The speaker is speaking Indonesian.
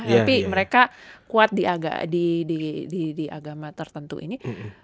tapi mereka kuat di agama tertentu ini